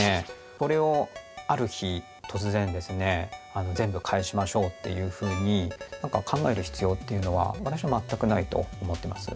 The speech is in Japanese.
それをある日突然ですね全部返しましょうっていうふうに何か考える必要っていうのは私は全くないと思ってます。